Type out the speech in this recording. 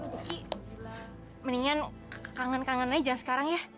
mendingan kangen kangen aja sekarang ya